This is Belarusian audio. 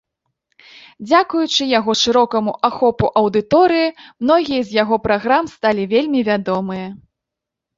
Дзякуючы яго шырокаму ахопу аўдыторыі, многія з яго праграм сталі вельмі вядомыя.